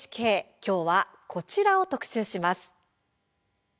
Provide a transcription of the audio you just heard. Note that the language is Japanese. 今日は、こちらを特集します。